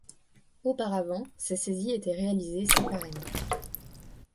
Auparavant, ces saisies étaient réalisées séparément.